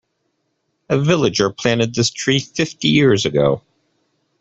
A villager planted this tree fifty years ago.